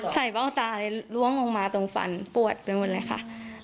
ใส่เป้าตาล้วงออกมาตรงฟันปวดเป็นหมดเลยค่ะ